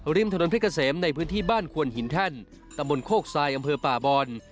ริมถนนเพชรเกษมในพื้นที่บ้านควนหินแท่นตำบลโคกทรายอำเภอป่าบอน